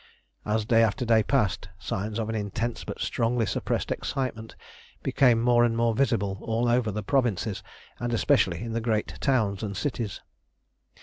As day after day passed, signs of an intense but strongly suppressed excitement became more and more visible all over the provinces, and especially in the great towns and cities.